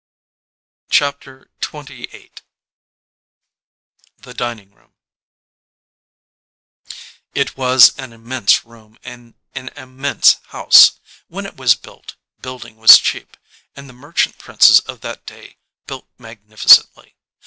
108 XXVIII THE DINING ROOM IT was an immense room in an immense house. When it was built, building was cheap, and the merchant princes of that day built magnificently.